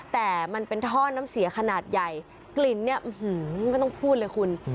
แต่มันเป็นท่อน้ำเสียขนาดใหญ่กลิ่นเนี่ยไม่ต้องพูดเลยคุณ